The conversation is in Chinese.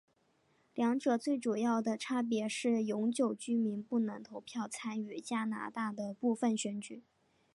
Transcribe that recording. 两者最主要的差别是永久居民不能投票参与加拿大的部分选举。